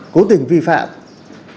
cố tình vi phạm